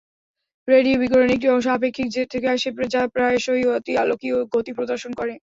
Radio বিকিরণের একটি অংশ আপেক্ষিক জেট থেকে আসে, যা প্রায়শই অতিআলোকীয় গতি প্রদর্শন করে।